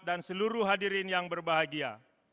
dan seluruh hadirin yang berbahagia